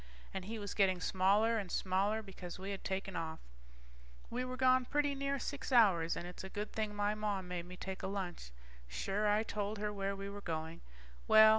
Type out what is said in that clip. And he was getting smaller and smaller, because we had taken off. We were gone pretty near six hours, and it's a good thing my Mom made me take a lunch. Sure, I told her where we were going. Well